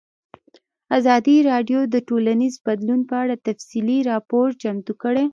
ازادي راډیو د ټولنیز بدلون په اړه تفصیلي راپور چمتو کړی.